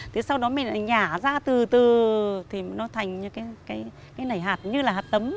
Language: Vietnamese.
thế sau đó mình lại nhả ra từ từ thì nó thành những cái nảy hạt như là hạt tấm